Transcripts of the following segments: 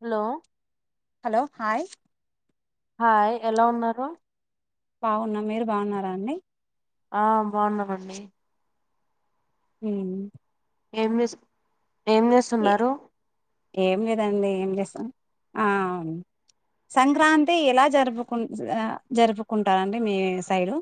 Hello hello hi. Hi ఎలా ఉన్నారు. బాగున్నా మీరు బాగున్నారా అండి. ఆ బాగున్నామండి. హ్మ్. ఏం చేస్ ఏ ఏం లేదండి. ఆ సంక్రాంతి ఎలా జరుపు జరుపుకుంటారండి మీ సైడు.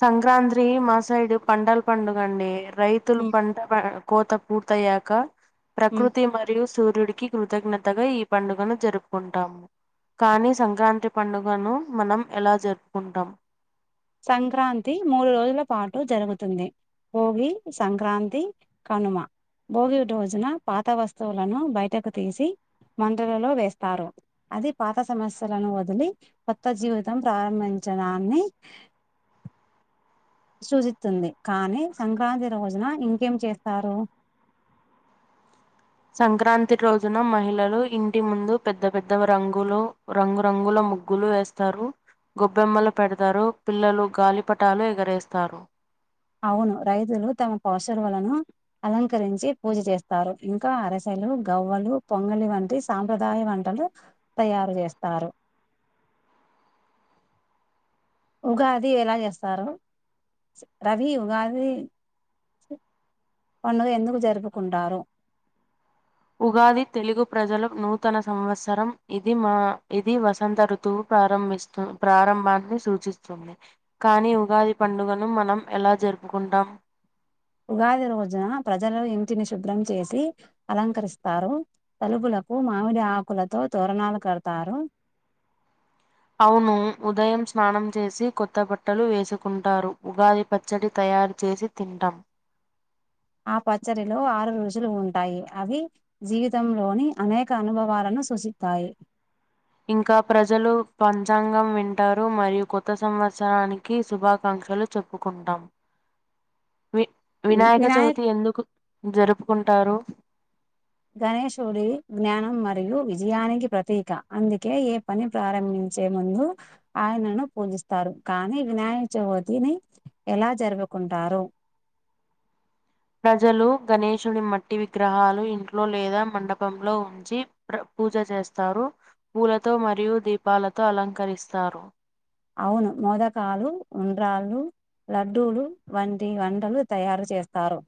సంక్రాంతి మా సైడ్ పంటల పండుగ అండి. రైతులు ఉమ్ పంట కోతా పూర్తి అయ్యాక ఉమ్ ప్రకృతి మరియు. సూర్యుడికి కృతజ్ఞతగా ఈ పండుగను జరుపుకుంటాము కానీ సంక్రాంతి పండుగను మనం ఎలా జరుపుకుంటాం. సంక్రాంతి మూడు రోజుల పాటు జరుగుతుంది భోగి, సంక్రాంతి, కనుమ భోగి రోజున పాత వస్తువులను బయటకు తీసి మంటలలో వేస్తారు అది పాత సమస్యలను వదిలి కొత్త జీవితం ప్రారంభించడాన్ని. సూచిస్తుంది కానీ సంక్రాంతి రోజున ఇంకేం చేస్తారు. సంక్రాంతి రోజున మహిళలు ఇంటి ముందు పెద్ద పెద్ద రంగులు రంగురంగుల ముగ్గులు వేస్తారు గొబ్బెమ్మలు పెడతారు పిల్లలు గాలిపటాలు ఎగరేస్తారు. అవును రైతులు తమ పౌశరులను అలంకరించి పూజ చేస్తారు ఇంకా అరెసెలు, గవ్వలు, పొంగలి వంటి సాంప్రదాయ వంటలు తయారు చేస్తారు. ఉగాది ఎలా చేస్తారు రవి ఉగాది పండుగ ఎందుకు జరుపుకుంటారు. ఉగాది తెలుగు ప్రజల నూతన సంవత్సరం ఇది మా ఇది వసంత ఋతువు ప్రారంభిస్తు ప్రారంభాన్ని సూచిస్తుంది కానీ ఉగాది పండుగను మనం ఎలా జరుపుకుంటాం ఉగాది రోజున ప్రజలు ఇంటిని శుభ్రం చేసి అలంకరిస్తారు తలుపులకు మామిడి ఆకులతో తోరణాలు కడతారు అవును ఉదయం స్నానం చేసి కొత్త బట్టలు వేసుకుంటారు ఉగాది పచ్చడి తయారు చేసి తింటాం ఆ పచ్చడిలో ఆరు రుచులు ఉంటాయి అవి జీవితంలోని అనేక అనుభవాలను సూచిస్తాయి ఇంకా ప్రజలు పంచాంగం వింటారు మరియు కొత్త సంవత్సరానికి శుభాకాంక్షలు చెప్పుకుంటాం వి వినాయక చవితి ఎందుకు జరుపు కుంటారు గణేషుడి జ్ఞానం మరియు విజయానికి ప్రతీక అందుకే ఏ పని ప్రారంభించే ముందు ఆయనను పూజిస్తారు కానీ వినాయక చవితిని ఎలా జరుపుకుంటారు ప్రజలు గణేషుని మట్టి విగ్రహాలు ఇంట్లో లేదా మండపంలో ఉంచి ప్ర పూజ చేస్తారు పూలతో మరియు దీపాలతో అలంకరిస్తారు అవును మోదకాలు ఉండ్రాళ్లు లడ్డూలు వంటి వంటలు తయారు చేస్తారు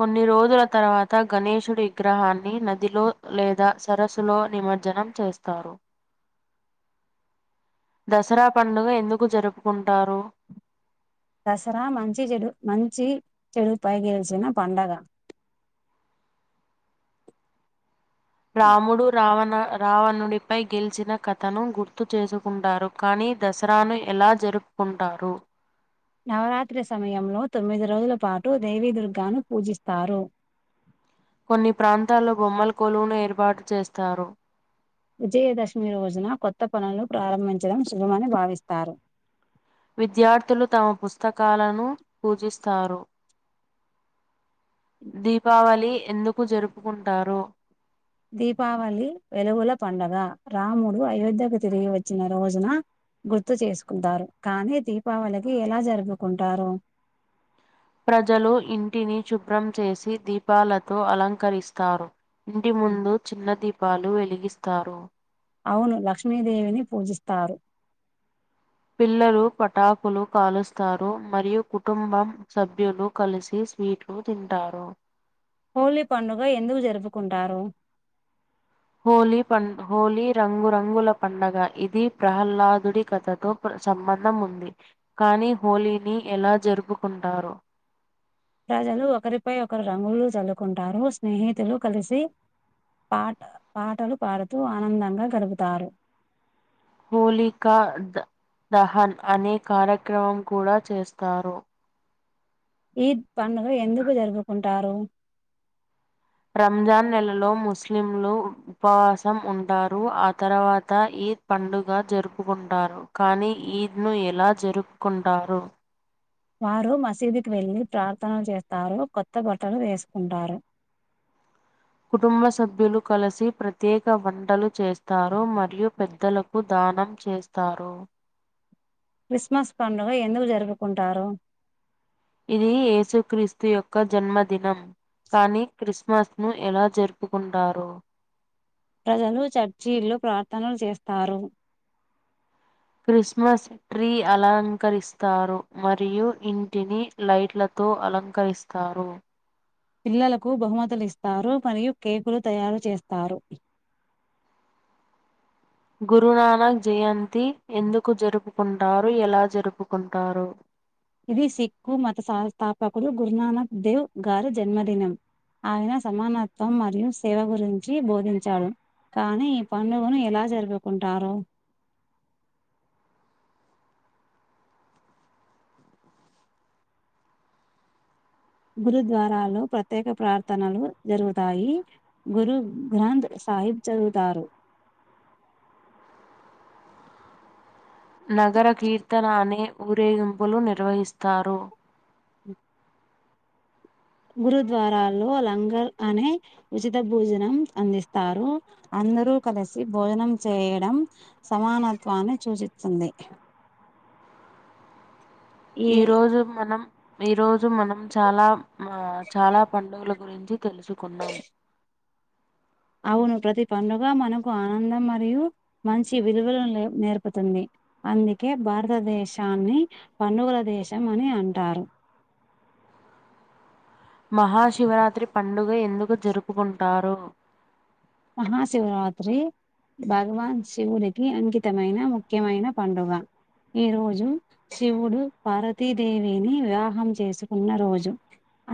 కొన్ని రోజుల తర్వాత గణేషుడి విగ్రహాన్ని నదిలో లేదా సరస్సులో నిమజ్జనం చేస్తారు దసరా పండుగ ఎందుకు జరుపుకుంటారు దసరా మంచి చెడు మంచి చెడుపై గెలిచిన పండగ రాముడు రావణ రావణుడిపై గెలిచిన కథను గుర్తు చేసుకుంటారు కానీ దసరాను ఎలా జరుపుకుంటారు నవరాత్రి సమయంలో తొమ్మిది రోజుల పాటు దేవీదుర్గాను పూజిస్తారు కొన్ని ప్రాంతాల్లో బొమ్మల కొలువును ఏర్పాటు చేస్తారు విజయదశమి రోజున కొత్త పనులు ప్రారంభించడం శుభమని భావిస్తారు విద్యార్థులు తమ పుస్తకాలను పూజిస్తారు దీపావళి ఎందుకు జరుపుకుంటారు దీపావళి వెలుగుల పండగ రాముడు అయోధ్యకు తిరిగి వచ్చిన రోజున గుర్తు చేసుకుంటారు కానీ దీపావళికి ఎలా జరుపుకుంటారు ప్రజలు ఇంటిని శుభ్రం చేసి దీపాలతో అలంకరిస్తారు ఇంటి ముందు చిన్న దీప్ పాలు వెలిగిస్తారు అవును లక్ష్మీదేవిని పూజిస్తారు పిల్లలు పటాకులు కాలుస్తారు మరియు కుటుంబం సభ్యులు కలిసి స్వీట్లు తింటారు హోలీ పండుగ ఎందుకు జరుపుకుంటారు హోలీ పం హోలీ రంగురంగుల పండగ ఇది ప్రహ్లాదుడి కథతో సంబంధం ఉంది కానీ హోలీని ఎలా జరుపుకుంటారు ప్రజలు ఒకరిపై ఒకరు రంగులు చల్లుకుంటారు స్నేహితులు కలిసి పాట పాటలు పాడుతూ ఆనందంగా గడుపుతారు హోలికా ద దహన్ అనే కార్యక్రమం కూడా చేస్తారు ఈ పండుగ ఎందుకు జరుపుకుంటారు రంజాన్ నెలలో ముస్లింలు ఉపవాసం ఉంటారు ఆ తర్వాత ఈద్ పండుగ జరుపుకుంటారు కానీ ఈద్ ను ఎలా జరుపుకుంటారు వారు మసీదుకి వెళ్ళి ప్రార్థనలు చేస్తారు కొత్త బట్టలు వేసుకుంటారు కుటుంబ సభ్యులు కలిసి ప్రత్యేక వంటలు చేస్తారు మరియు పెద్దలకు దానం చేస్తారు క్రిస్మస్ పండుగ ఎందుకు జరుపుకుంటారు ఇది యేసు క్రీస్తు యొక్క జన్మదినం, కానీ క్రిస్మస్ ను ఎలా జరుపుకుంటారో. ప్రజలు చర్చిల్లో, ప్రార్థనలు చేస్తారు. క్రిస్మస్ ట్రీ అలంకరిస్తారు మరియు ఇంటిని లైట్లతో అలంకరిస్తారు. పిల్లలకు బహుమతులిస్తారు మరియు కేకులు తయారు చేస్తారు. గురునానక్ జయంతి ఎందుకు జరుపుకుంటారు, ఎలా జరుపుకుంటారు. ఇది సిక్కు మత సంస్థాపకుడు గురునానక్ దేవ్ గారి జన్మదినం. ఆయన సమానత్వం మరియు సేవ గురించి బోధించాడు కానీ, ఈ పండుగను ఎలా జరుపుకుంటారు. గురుద్వారాలో ప్రత్యేక ప్రార్థనలు జరుగుతాయి, గురు గ్రంథ్ సాహిబ్ చదువుతారు. నగర కీర్తన అనే ఊరేగింపులు నిర్వహిస్తారు. అ. గురుద్వారాల్లో లంగర్ అనే ఉచిత భోజనం అందిస్తారు. అందరూ కలిసి భోజనం చేయడం సమానత్వాన్ని చూచిత్తుంది. ఈ రోజు మనం. ఈ రోజు మనం చాలామ్. మా చాలా పండుగులు. గురించి తెలుసుకుందాం. అవును ప్రతి పండుగ మనకు ఆనందం మరియు మంచి విలువలాను నేర్పుతుంది. అందుకే భారతదేశాన్ని పండుగల దేశం అని అంటారు. మహాశివరాత్రి పండుగ ఎందుకు జరుపుకుంటారు. మహాశివరాత్రి భగవాన్ శివుడికి అంకితమైన ముఖ్యమైన పండుగ. ఈ రోజు శివుడు పార్వతీదేవిని వివాహం చేసుకున్న రోజు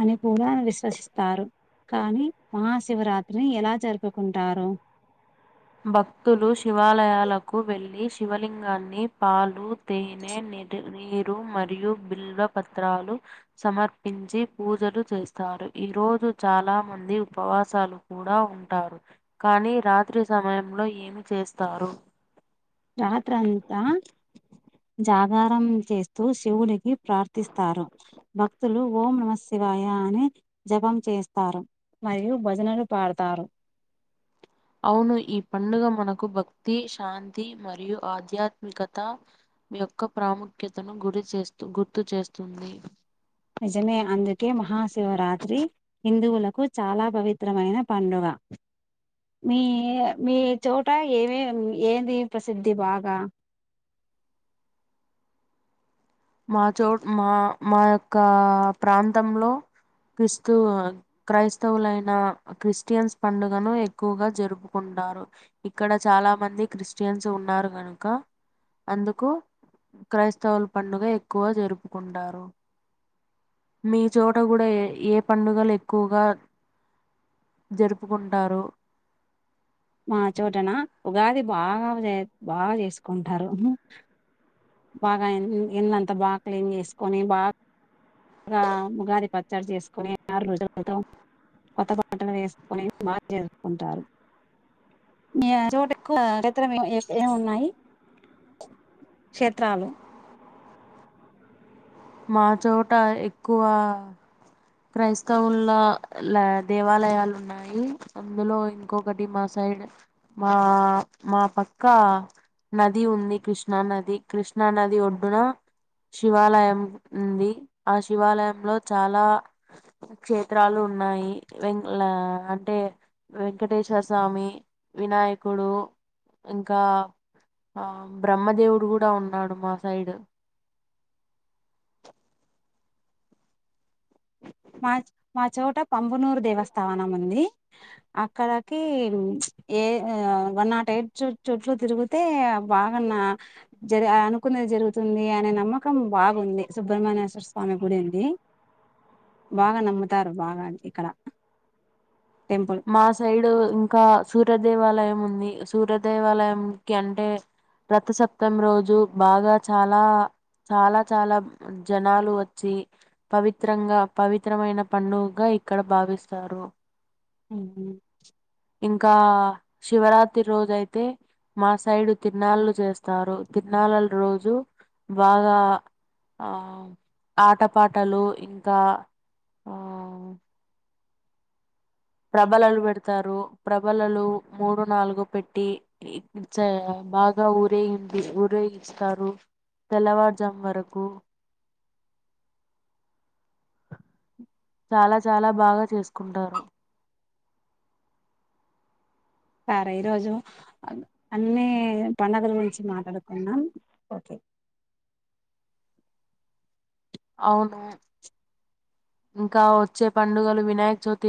అని కూడా విశ్వసిస్తారు. కానీ మహాశివరాత్రి ఎలా జర్ప్. [unintelligible] కుంటారు. భక్తులు శివాలయాలకు వెళ్ళి, శివలింగాన్ని పాలు, తేనె, నిద్ నీరు మరియు బిల్వ పత్రాలు సమర్పించి పూజలు చేస్తారు. ఈరోజు చాలా మంది ఉపవాసాలు కూడా ఉంటారు. కానీ రాత్రి స్ సమయంలో ఏమి చేస్తారు. రాత్రంతా జాగారం చేస్తూ, శివుడికి ప్రార్థిస్తారు. భక్తులు ఓం నమ సివాయ అని జపం చేస్తారు, మరియు భజనలు పాడతారు. అవును ఈ పండుగ మనకు భక్తి, శాంతి మరియు ఆధ్యాత్మికత యొక్క ప్రాముఖ్యతను గురిచేస్తు, గుర్తుచేస్తుంది. నిజమే, అందుకే మహాశివరాత్రి హిందువులకు చాలా పవిత్రమైన పండుగ. మీ మీ చోట ఏమేం ఏందీ ప్రసిద్ధి బాగా. మా చోట్, మా మా యొక్క ప్రాంతంలో క్రీస్తు, క్రైస్తవులైన క్రిస్టియన్స్ పండుగను ఎక్కువగా జరుపుకుంటారు. ఇక్కడ చాలా మంది క్రిస్టియన్స్ ఉన్నారు గనుక, అందుకు క్రైస్తవుల పండుగ ఎక్. ఎక్కువ జరుపుకుంటారు. మీ చోట గూడా యే ఏ పండుగలు ఎక్కువగా జరుపుకుంటారు. మా చోటనా ఉగాది బాగానే బాగా జేసుకుంటారు. బాగా ఎన్ ఇన్నంత బాగా క్లీన్ చేసుకొని, బాగ్ గా ఉగాది పచ్చడ జేస్కొని, ఆరు రోజులతో కొత్త బటలు ఏసుకొని బాగ్ చేసుకుంటారు. మా చోట ఎక్కువ క్రైస్తవుల లా దేవాలయాలు ఉన్నాయి. అందులో ఇంకొకటి మా సైడ్ మా, మా పక్క నది ఉంది కృష్ణా నది. కృష్ణా నది ఒడ్డున శివాలయం. ఉంది. ఆ శివాలయంలో చాలా క్షేత్రాలు ఉన్నాయి. వెంక్ లా అంటే, వెంకటేశ్వర స్వామి, వినాయకుడు ఇంకా, బ్రహ్మదేవుడు గూడా ఉన్నాడు మా సైడ్. మాచ్ మా చోట పంబనూరు దేవస్థానం ఉంది. అక్కడకి ఏ ఆ వన్ నాట్ ఎయిట్ చు చూట్లు తిరిగితే, బాగాన్నా, జరి అనుకునేది జరుగుతుంది అనే నమ్మకం బాగుంది. సుబ్రహ్మణ్యేశ్వర స్వామి గుడి ఉంది. బాగా నమ్ముతారు, బాగా ఇక్కడ. టెంపుల్ మా సైడు ఇంకా, సూరద్ దేవాలయం ఉం. ది సూర్య దేవాలయం కి అంటే రథసప్తమి రోజు బాగా, చాలా చాలా, చాలా జనాలు వచ్చి, పవిత్రంగా, పవిత్రమైన పండుగుగా ఇక్కడ భావిస్తారు. ఉహుమ్. ఇంకా శివరాత్రి రోజు అయితే మా సైడు తిరాన్నాళ్లు చేస్తారు. తీరన్నాలల రోజు బాగా, ఆ ఆటపాటలు ఇంకా ఆ. ప్రబలాలు పెడ్త్. త్తరు. ప్రబలలు మూడు, నాలుగు పెట్టి చేయా బాగా ఊరేగింది, ఊరేగిస్తారు. తెల్లవారుజం వరకు. చాలా చాలా బాగా చేస్కుంటారు. సరే ఈరోజు, అన్ని పండగల గురించి మాట్లాడుకున్నాం ఓకే. అవును, ఇంకా వచ్చే పండుగలు వినాయక చవ్తి.